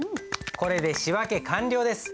これで仕訳完了です。